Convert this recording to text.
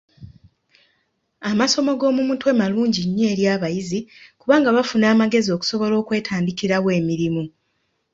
Amasomo g'omu mutwe malungi nnyo eri abayizi kubanga bafuna amagezi okusobola okwetandikirawo emirimu.